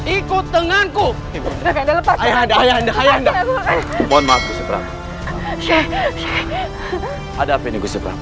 ikut tenganku ayah anda mohon maafku